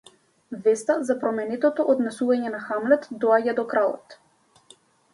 Веста за променетото однесување на Хамлет доаѓа до кралот.